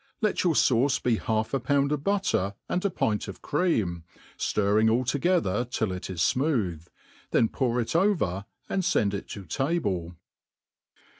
Let your fauce be half a pound of butter and a pint of cream, ftirring all together till it is fmooth ; then popr it over and fend it to table.